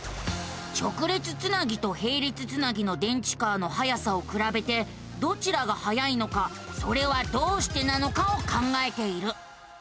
直列つなぎとへい列つなぎの電池カーのはやさをくらべてどちらがはやいのかそれはどうしてなのかを考えている。